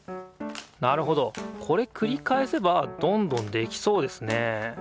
なるほどこれくり返せばどんどんできそうですね。